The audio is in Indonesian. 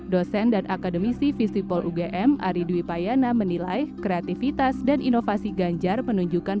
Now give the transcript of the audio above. dosen dan akademisi visipol ugm ari dwi payana menilai kreativitas dan inovasi ganjar menunjukkan